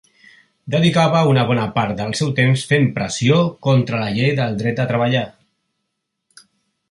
Dedicava una bona part del seu temps fent pressió contra la Llei del dret a treballar.